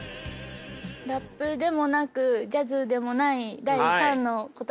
ラップでもなくジャズでもない第３の答え？